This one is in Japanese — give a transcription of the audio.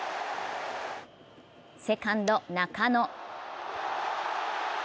セカンド・中野。